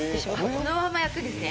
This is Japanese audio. このまま焼くんですね。